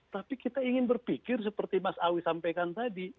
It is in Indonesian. tapi kita ingin berpikir seperti mas awi sampaikan tadi